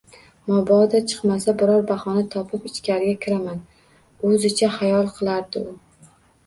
Mabodo chiqmasa, biror bahona topib ichkariga kiraman o`zicha xayol qilardi u